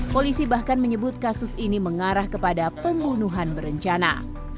polisi bahkan menyebut kasus ini mengarah kepada pembunuhan berencana